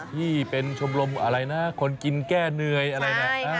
ที่เป็นชมรมอะไรนะคนกินแก้เหนื่อยอะไรนะ